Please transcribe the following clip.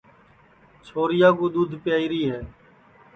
چھوریا کُو دؔودھ پیائیری ہے